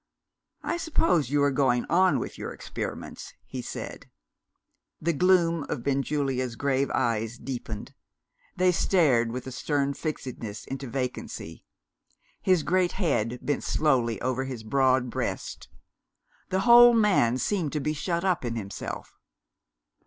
"I suppose you are going on with your experiments?" he said. The gloom of Benjulia's grave eyes deepened: they stared with a stern fixedness into vacancy. His great head bent slowly over his broad breast. The whole man seemed to be shut up in himself.